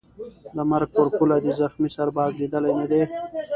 د مرګ پر پوله دي زخمي سرباز لیدلی نه دی